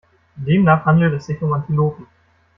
Demnach handelt es sich um Antilopen.